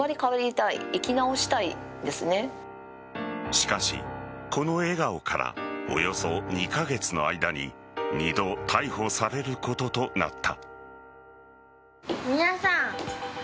しかしこの笑顔からおよそ２カ月の間に２度、逮捕されることとなった。